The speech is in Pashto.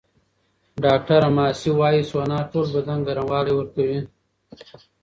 ډاکټره ماسي وايي، سونا ټول بدن ګرموالی ورکوي.